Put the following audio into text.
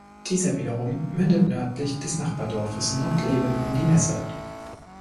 Dieser wiederum mündet nördlich des Nachbardorfes Nottleben in die Nesse.